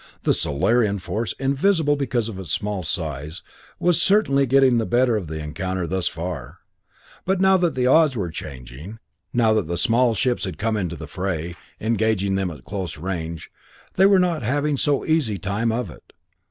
The Solarian force, invisible because of its small size, was certainly getting the better of the encounter thus far, but now that the odds were changing, now that the small ships had come into the fray, engaging them at close range, they were not having so easy time of it.